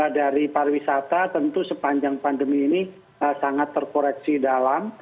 dari pariwisata tentu sepanjang pandemi ini sangat terkoreksi dalam